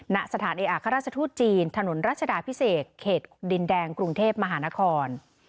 ณสถานเอกอัครราชทูตจีนถนนรัชดาพิเศษเขตดินแดงกรุงเทพมหานคร